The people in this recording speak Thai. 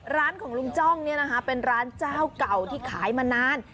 ร้านของลุงจ้องเป็นร้านเจ้าเก่าที่ขายมานาน